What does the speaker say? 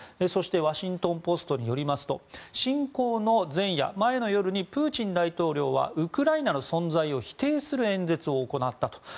そしてワシントン・ポストによりますと侵攻の前夜、前の夜にプーチン大統領はウクライナの存在を否定する演説を行ったと。